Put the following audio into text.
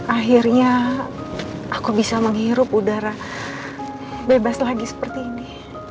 akhirnya aku bisa menghirup udara bebas lagi seperti ini